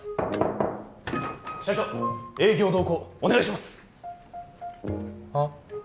社長営業同行お願いします！はっ？